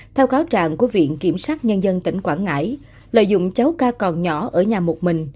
theo cáo trạng của viện kiểm sát nhân dân tỉnh quảng ngãi lợi dụng cháu ca còn nhỏ ở nhà một mình